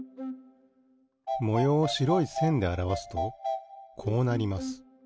もようをしろいせんであらわすとこうなります。